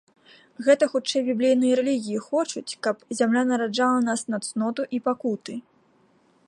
Гэта хутчэй біблейныя рэлігіі хочуць, каб зямля нараджала нас на цноту і пакуты.